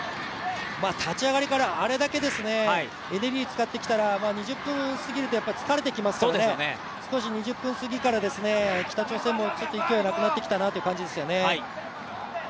立ち上がりからあれだけエネルギーを使ってきたら２０分過ぎると疲れてきますよね、２０分過ぎから北朝鮮も勢いがなくなってきたなという感じですね。